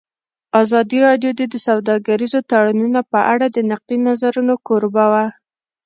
ازادي راډیو د سوداګریز تړونونه په اړه د نقدي نظرونو کوربه وه.